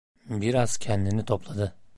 Biraz kendini topladı.